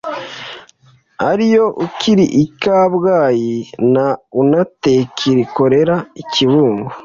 ariyo uck iri i kabgayi na unatek ikorera i kibungo